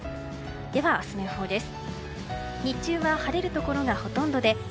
では、明日の予報です。